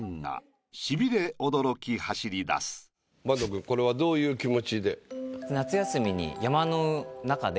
君これはどういう気持ちで？